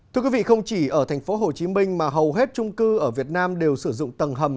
thưa quý vị không chỉ ở tp hcm mà hầu hết trung cư ở việt nam đều sử dụng tầng hầm